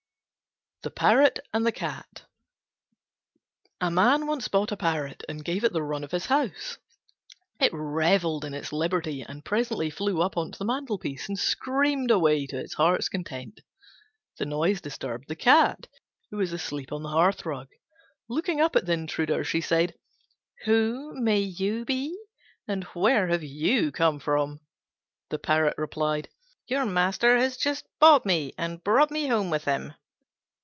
THE PARROT AND THE CAT A Man once bought a Parrot and gave it the run of his house. It revelled in its liberty, and presently flew up on to the mantelpiece and screamed away to its heart's content. The noise disturbed the Cat, who was asleep on the hearthrug. Looking up at the intruder, she said, "Who may you be, and where have you come from?" The Parrot replied, "Your master has just bought me and brought me home with him."